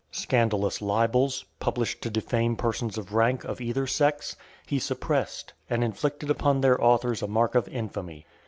Scandalous libels, published to defame persons of rank, of either sex, he suppressed, and inflicted upon their authors a mark of infamy.